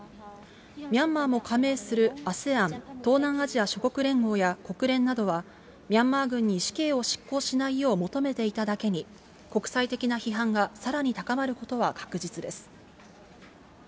ミャンマーも加盟する、ＡＳＥＡＮ・東南アジア諸国連合や国連などは、ミャンマー軍に死刑を執行しないよう求めていただけに、国際的な批判がさらに高まることは確実です。